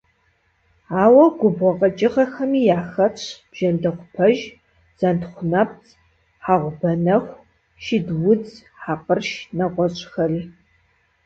Ауэ губгъуэ къэкӀыгъэхэми яхэтщ бжэндэхъупэж, зэнтхъунэпцӀ, хьэгъубэнэху, шыдудз, хьэкъырш, нэгъуэщӀхэри.